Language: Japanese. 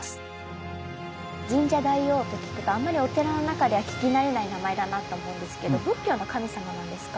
深沙大王と聞くとあんまりお寺の中では聞きなれない名前だなと思うんですけど仏教の神様なんですか？